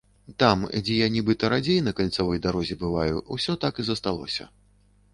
Там, дзе я нібыта радзей на кальцавой дарозе бываю, усё так і засталося.